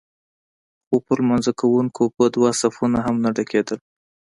خو پر لمانځه کوونکو به دوه صفونه هم نه ډکېدل.